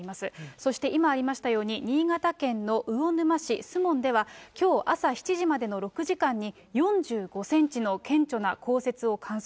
そして今ありましたように、新潟県の魚沼市守門では、きょう朝７時までの６時間に４５センチの顕著な降雪を観測。